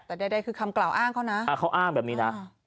แต่เรียกได้คือคำกล่าวอ้างเขานะ